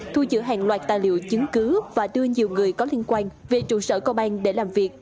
thu giữ hàng loạt tài liệu chứng cứ và đưa nhiều người có liên quan về trụ sở công an để làm việc